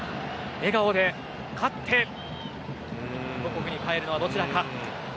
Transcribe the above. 笑顔で勝って母国に帰るのはどちらか。